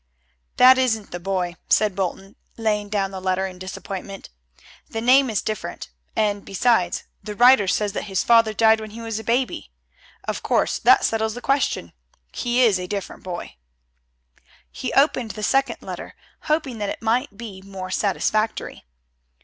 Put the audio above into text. "That isn't the boy," said Bolton, laying down the letter in disappointment. "The name is different, and, besides, the writer says that his father died when he was a baby. Of course that settles the question. He is a different boy." He opened the second letter, hoping that it might be more satisfactory.